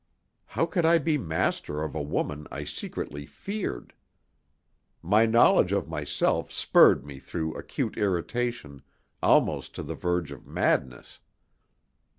How could I be master of a woman I secretly feared? My knowledge of myself spurred me through acute irritation almost to the verge of madness.